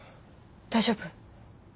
大丈夫？